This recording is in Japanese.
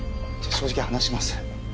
正直話します。